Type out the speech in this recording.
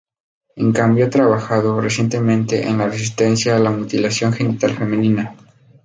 En Gambia ha trabajado recientemente en la resistencia a la mutilación genital femenina.